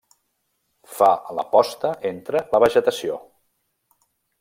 Fa la posta entre la vegetació.